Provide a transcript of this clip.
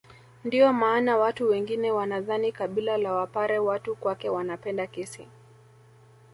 Ndio maana watu wengine wanadhani kabila la wapare watu kwake wanapenda kesi